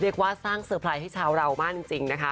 เละว่าสร้างเชิญค่ะมาเธอชาวเรามากจริง